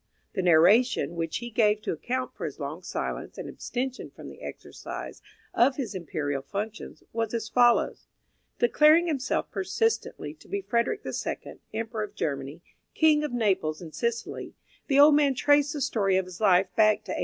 The narration which he gave to account for his long silence, and abstention from the exercise of his imperial functions, was as follows: Declaring himself persistently to be Frederick the Second, Emperor of Germany, King of Naples and Sicily, the old man traced the story of his life back to A.